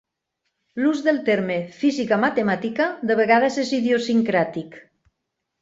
L'ús del terme "física matemàtica" de vegades és idiosincràtic.